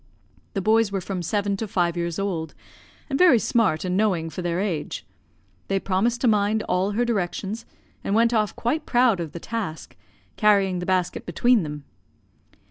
The boys were from seven to five years old, and very smart and knowing for their age. They promised to mind all her directions, and went off quite proud of the task, carrying the basket between them.